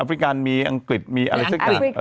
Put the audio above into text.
ฟริกันมีอังกฤษมีอะไรสักอย่าง